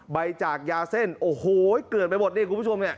ใบจากยาเส้นเกลือดไปหมด